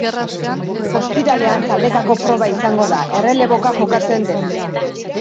Ostiralean taldekako proba izango da, erreleboka jokatzen dena.